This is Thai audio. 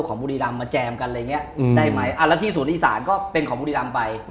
บุรีรำมาแจมกันอะไรอย่างนี้ได้ไหมแล้วที่ศูนย์อีสานก็เป็นของบุรีรำไป